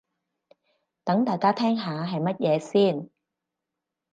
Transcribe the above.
等大家聽下係乜嘢先